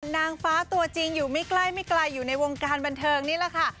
นางฟ้าตัวจริงอยู่ไม่ใกล้ไม่ไกลอยู่ในวงการบันเทิงนี่แหละค่ะ